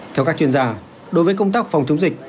theo các chuyên gia đối với công tác phòng chống dịch